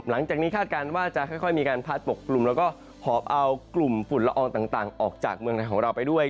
หลังจากนี้คาดการณ์ว่าจะค่อยมีการพัดปกกลุ่มแล้วก็หอบเอากลุ่มฝุ่นละอองต่างออกจากเมืองในของเราไปด้วย